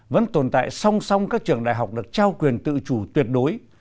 vẫn tồn tại song song các trường đại học được trao quyền tự chủ tuyệt đối